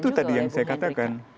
itu tadi yang saya katakan